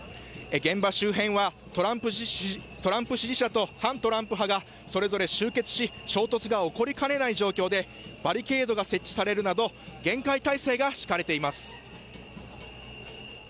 現場周辺はトランプ支持者と反トランプ派がそれぞれ集結し衝突が起こりかねない状況でバリケードが設置されるなど厳戒態勢が敷かれています。